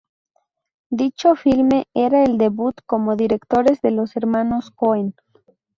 Dicho filme era el debut como directores de los hermanos Coen.